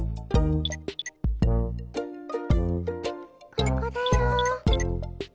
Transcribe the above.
ここだよ。